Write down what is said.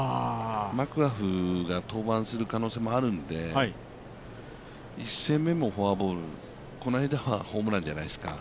マクガフが登板する可能性もあるので、１戦目もフォアボール、この間はホームランじゃないですか。